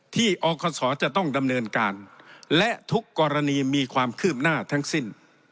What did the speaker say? อคศจะต้องดำเนินการและทุกกรณีมีความคืบหน้าทั้งสิ้น